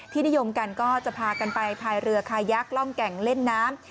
นิยมกันก็จะพากันไปพายเรือคายักษ์ร่องแก่งเล่นน้ำ